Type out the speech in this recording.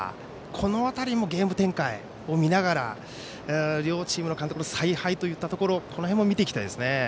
この辺りもゲーム展開を見ながら両チームの監督の采配といったところこの辺も見ていきたいですね。